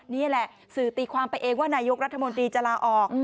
นี่แหละสื่อตีความไปเองว่านายกรัฐมนตรีจะลาออก